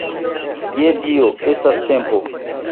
Je Dio, estas tempo!